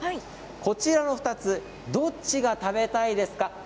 こちらの２つどちらが食べたいですか。